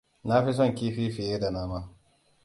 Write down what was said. Na fi son kifi fiye da nama.